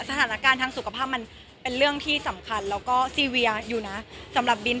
สถานการณ์ทางสุขภาพมันเป็นเรื่องที่สำคัญแล้วก็ซีเวียอยู่นะสำหรับบิน